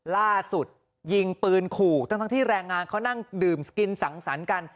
ล่าสุดยิงปืนขู่ทั้งที่แรงงานเขานั่งดื่มกินสังสรรค์กัน